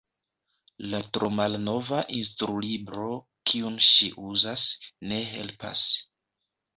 La tromalnova instrulibro, kiun ŝi uzas, ne helpas.